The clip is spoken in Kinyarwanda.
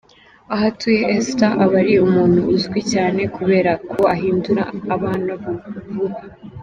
Aho atuye Esther aba ari umuntu uzwi cyane kubera ko ahindura bantu vuba.